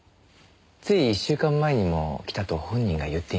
つい一週間前にも来たと本人が言っていました。